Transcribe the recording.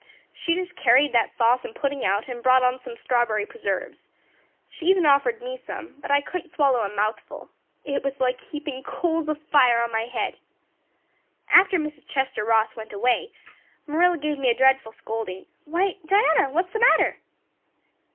She just carried that sauce and pudding out and brought in some strawberry preserves. She even offered me some, but I couldn't swallow a mouthful. It was like heaping coals of fire on my head. After Mrs. Chester Ross went away, Marilla gave me a dreadful scolding. Why, Diana, what is the matter?"